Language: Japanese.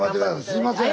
すみません